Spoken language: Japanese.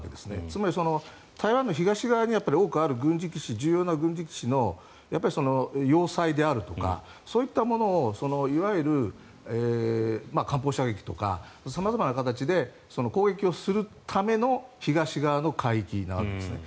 つまり、台湾の東側に多くある軍事基地重要な軍事基地の要塞であるとかそういったものをいわゆる艦砲射撃とか様々な形で攻撃をするための東側の海域なわけですね。